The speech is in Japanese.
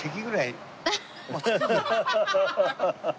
ハハハハ！